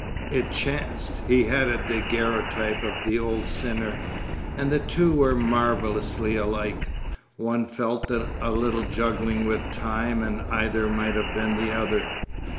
It chanced he had a daguerreotype of the old sinner, and the two were marvellously alike. One felt that a little juggling with time and either might have been the other.